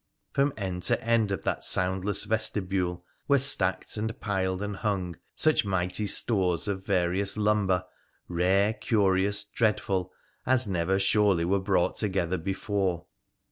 From end to end of that soundless vestibule were stacked and piled and hung such mighty stores of various lumber, rare, curious, dreadful, as never surely were brought together before.